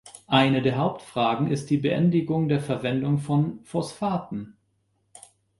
Eine der Hauptfragen ist die Beendigung der Verwendung von Phosphaten.